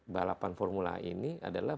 balapan formula ini adalah